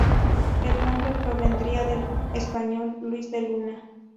El nombre provendría del español Luis de Luna.